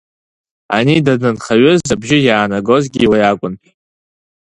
Ани данынхаҩыз абжьы иаанагозгьы уи акәын.